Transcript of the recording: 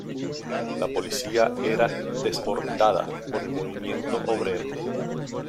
La policía era desbordada por el movimiento obrero.